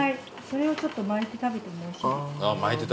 それをちょっと巻いて食べてもおいしいです。